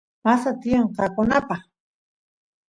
masa tiyan qoqanapaq